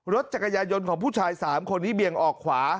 รถจักรยายนยนต์ของผู้ชาย๓คนที่เบียงออกขวา